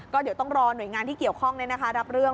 ก็เดี๋ยวต้องรอหน่วยงานที่เกี่ยวข้องรับเรื่อง